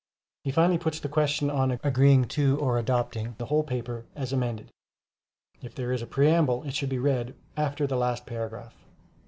He finally puts the question on agreeing to or adopting the whole paper as amended. If there is a preamble it should be read after the last paragraph.